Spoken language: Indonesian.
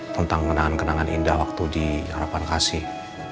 tentang kenangan kenangan indah waktu di harapan kasih